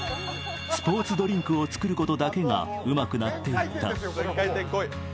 スポーツドリンクを作ることだけがうまくなっていった。